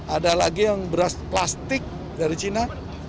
ada lagi yang beras plastik dari cina